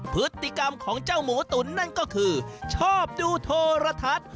พฤติกรรมของเจ้าหมูตุ๋นนั่นก็คือชอบดูโทรทัศน์